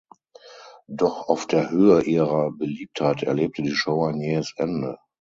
Doch auf der Höhe ihrer Beliebtheit erlebte die Show ein jähes Ende.